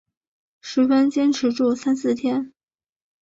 十分坚持住三四天